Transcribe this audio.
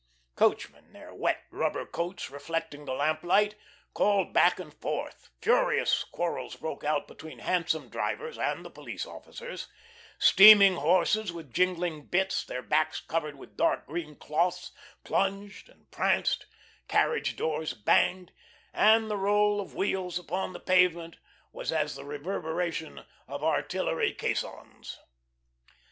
Coachmen, their wet rubber coats reflecting the lamplight, called back and forth, furious quarrels broke out between hansom drivers and the police officers, steaming horses with jingling bits, their backs covered with dark green cloths, plunged and pranced, carriage doors banged, and the roll of wheels upon the pavement was as the reverberation of artillery caissons.